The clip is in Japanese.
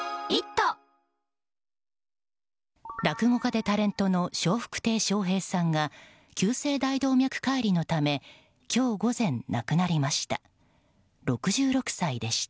落語家でタレントの笑福亭笑瓶さんが急性大動脈解離のため今日午前、亡くなりました。